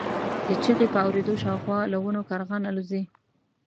د چیغې په اورېدو شاوخوا له ونو کارغان الوځي.